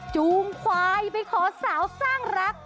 จูงควายไปขอสาวสร้างรัก